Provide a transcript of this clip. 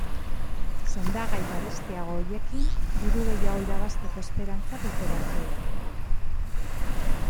Sendagai garestiago horiekin diru gehiago irabazteko esperantza dute batzuek.